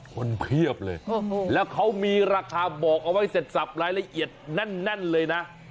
เพียบเลยแล้วเขามีราคาบอกเอาไว้เสร็จสับรายละเอียดแน่นเลยนะ